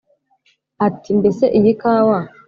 ati: “mbese iyi kawa